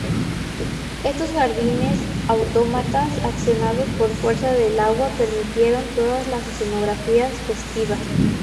Estos jardines, autómatas accionados por fuerza del agua permiten todas las escenografías festivas.